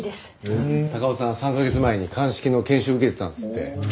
高尾さん３カ月前に鑑識の研修受けてたんですって。